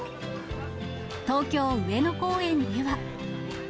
東京・上野公園では。